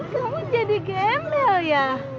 kamu jadi gembel ya